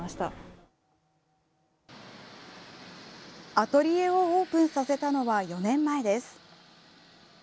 アトリエをオープンさせたのは４年前です。